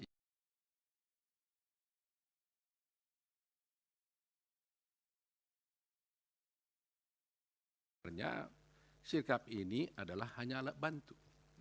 sebenarnya syarikat ini adalah hanya alat bantu